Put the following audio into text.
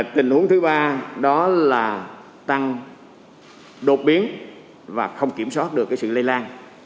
tình huống thứ ba đó là tăng đột biến và không kiểm soát được sự lây lan